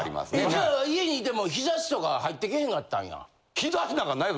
じゃあ家にいても日差しとか入ってけえへんかったんや。